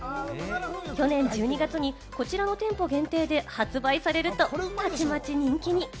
去年１２月にこちらの店舗限定で発売されるとたちまち人気に。